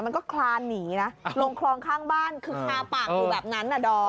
มันก็คลานหนีนะลงคลองข้างบ้านคือคาปากอยู่แบบนั้นอ่ะดอม